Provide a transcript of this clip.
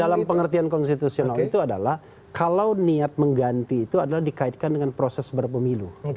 dalam pengertian konstitusional itu adalah kalau niat mengganti itu adalah dikaitkan dengan proses berpemilu